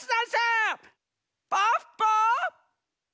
ポッポ！